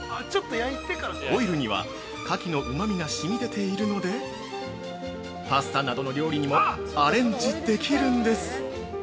オイルには、かきのうま味が染み出ているのでパスタなどの料理にもアレンジできるんです。